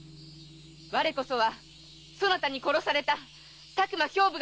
我こそはそなたに殺された佐久間兵部が娘・かや！